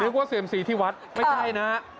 ว่าเซียมซีที่วัดไม่ใช่นะ